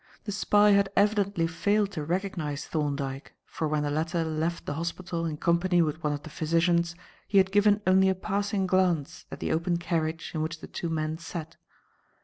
The spy had evidently failed to recognize Thorndyke, for when the latter left the hospital in company with one of the physicians, he had given only a passing glance at the open carriage in which the two men sat.